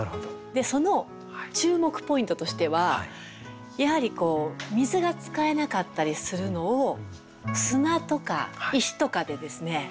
その注目ポイントとしてはやはりこう水が使えなかったりするのを砂とか石とかでですね